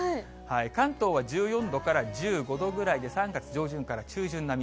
関東は１４度から１５度ぐらいで３月上旬から中旬並み。